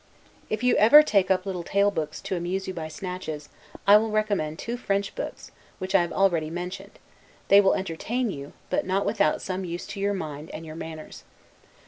If you ever take up little tale books, to amuse you by snatches, I will recommend two French books, which I have already mentioned; they will entertain you, and not without some use to your mind and your manners.